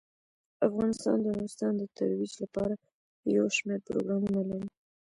افغانستان د نورستان د ترویج لپاره یو شمیر پروګرامونه لري.